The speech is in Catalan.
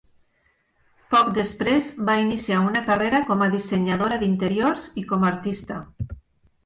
Poc després, va iniciar una carrera com a dissenyadora d'interiors i com a artista.